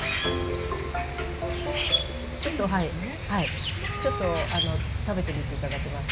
ちょっとはいちょっと食べてみて頂けますか。